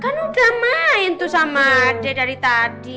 kan udah main tuh sama adek dari tadi